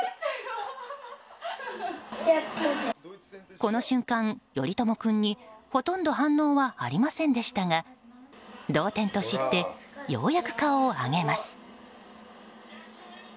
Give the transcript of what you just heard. この瞬間、頼友君にほとんど反応はありませんでしたが同点と知ってようやく顔を上げます。